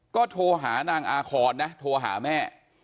ก็โทรหานางอาคอนนะโทรหาแม่